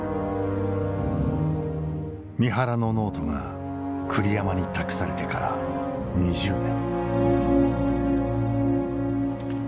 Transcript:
三原のノートが栗山に託されてから２０年。